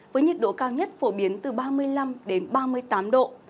với nhiệt độ cao nhất phổ biến từ ba mươi năm đến ba mươi tám độ